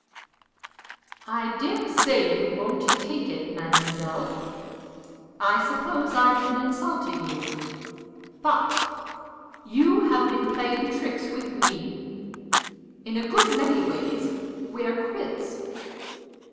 "I dare say you won't take it, mademoiselle. I suppose I've been insulting you. But you have been playing tricks with me. In a good many ways, we're quits.